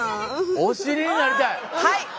「お尻になりたい」